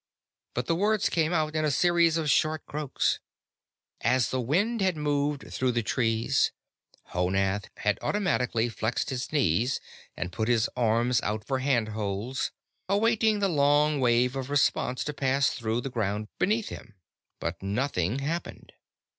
But the words came out in a series of short croaks. As the wind had moved through the trees, Honath had automatically flexed his knees and put his arms out for handholds, awaiting the long wave of response to pass through the ground beneath him. But nothing happened.